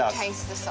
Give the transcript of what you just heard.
そう。